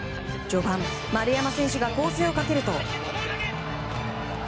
序盤、丸山選手が攻勢をかけると。